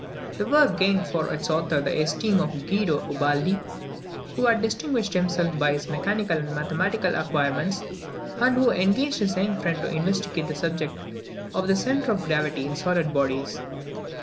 This work gained for its author the esteem of Guido Ubaldi, who had distinguished himself by his mechanical and mathematical acquirements, and who engaged his young friend to investigate the subject of the centre of gravity in solid bodies.